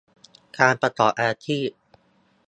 การประกอบอาชีพ